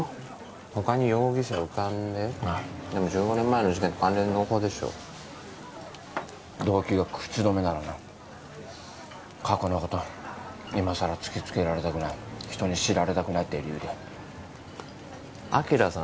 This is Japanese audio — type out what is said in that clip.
他に容疑者浮かんでないでも１５年前の事件と関連濃厚でしょう動機が口止めならな過去のこと今さら突きつけられたくない人に知られたくないっていう理由で昭さん